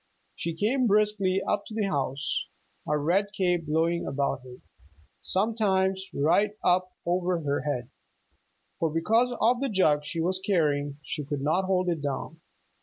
She came briskly up to the house, a red cape blowing about her, sometimes right up over her head, for because of the jug she was carrying she could not hold it down.